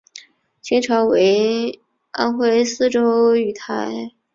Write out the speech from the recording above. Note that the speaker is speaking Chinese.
清朝为安徽省泗州盱眙。